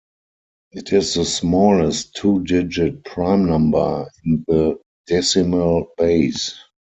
It is the smallest two-digit prime number in the decimal base.